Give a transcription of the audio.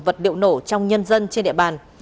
vật điệu nổ trong nhân dân trên địa bàn